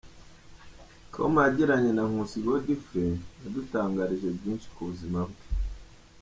com yagiranye na Nkusi Godfrey , yadutangarije byinshi ku buzima bwe.